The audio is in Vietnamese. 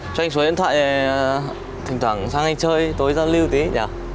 cho anh xuống điện thoại thỉnh thoảng sang anh chơi tối giao lưu tí nhỉ